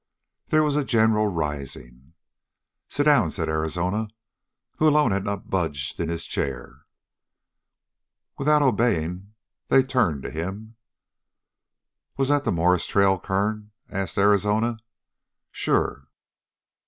There was a general rising. "Sit down," said Arizona, who alone had not budged in his chair. Without obeying, they turned to him. "Was that the Morris trail, Kern?" asked Arizona. "Sure."